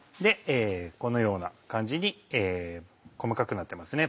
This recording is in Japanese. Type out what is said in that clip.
このような感じに細かくなってますね